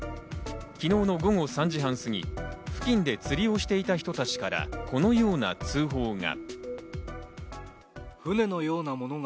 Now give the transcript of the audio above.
昨日の午後３時半過ぎ、付近で釣りをしていた人たちからこのような通報が。